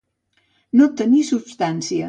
No tenir substància.